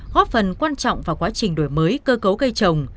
góp phần quan trọng vào quá trình đổi mới cơ cấu cây trồng